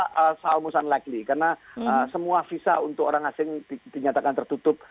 ottawa selalu mungkin karena semua visa untuk orang asing dinyatakan tertutup